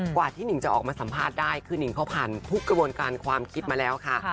กว่าที่หนึ่งจะออกมาสัมภาษณ์ได้คือนิ่งเขาผ่านทุกกระบวนการความคิดมาแล้วค่ะ